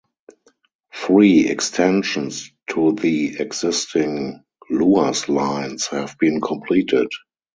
Three extensions to the existing Luas lines have been completed.